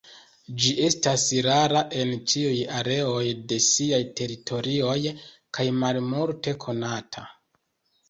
Ĝi estas rara en ĉiuj areoj de siaj teritorioj kaj malmulte konata.